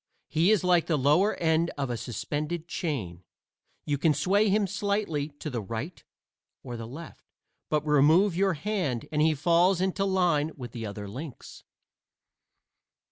He is like the lower end of a suspended chain; you can sway him slightly to the right or the left, but remove your hand and he falls into line with the other links.